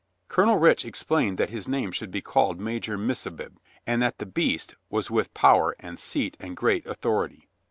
Colonel Rich explained that his name should be called Magor Missabib and that the beast was with power and seat and great authority.